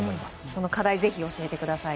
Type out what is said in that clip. その課題をぜひ教えてください。